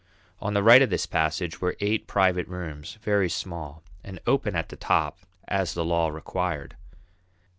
On the right of this passage were eight private rooms, very small, and open at the top as the law required.